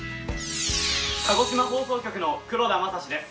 鹿児島放送局の黒田賢です。